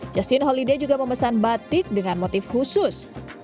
justin holiday juga memesan batik dengan motif khusus